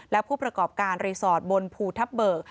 และผู้ประกอบการรีสอร์ทบนภูทับเบิก